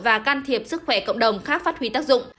và can thiệp sức khỏe cộng đồng khác phát huy tác dụng